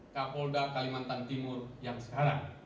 kapolda kalimantan timur yang sekarang